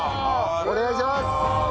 お願いします！